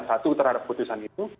satu terhadap keputusan itu